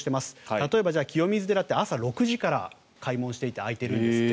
例えば清水寺って朝６時から開門していて開いてるんですって。